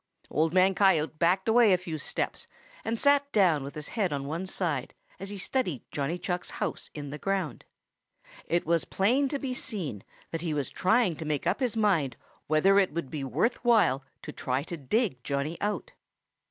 Old Man Coyote backed away a few steps and sat down with his head on one side as he studied Johnny Chuck's house in the ground. It was plain to be seen that he was trying to make up his mind whether it would be worth while to try to dig Johnny out.